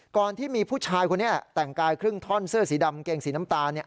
ที่มีผู้ชายคนนี้แต่งกายครึ่งท่อนเสื้อสีดำเกงสีน้ำตาล